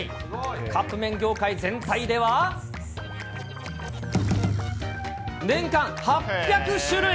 カップ麺業界全体では、年間８００種類。